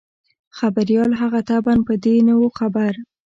خبریال هم طبعاً په دې نه وو خبر.